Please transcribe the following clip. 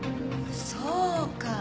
そうか。